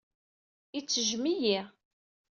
Ittejjem-iyi.